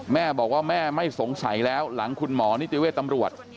แม่บอกว่าแม่ไม่สงสัยแล้วหลังคุณหมอนิติเวทย์ตำรวจ